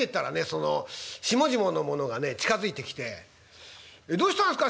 その下々の者が近づいてきて「どうしたんですか？